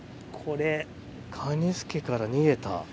カニ助から逃げた。